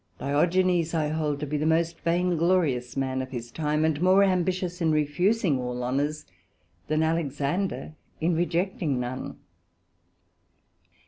Diogenes I hold to be the most vain glorious man of his time, and more ambitious in refusing all Honours, than Alexander in rejecting none.